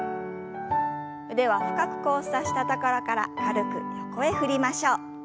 腕は深く交差したところから軽く横へ振りましょう。